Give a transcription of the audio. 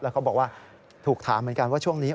เขาบอกว่าถูกถามเหมือนกันว่าช่วงนี้